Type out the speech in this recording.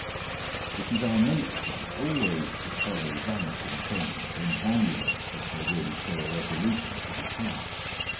It is our nature always to follow vanishing things and value them if they really show a resolution to depart.